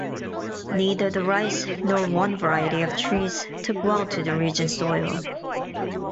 Neither the rice nor one variety of trees took well to the region's soil.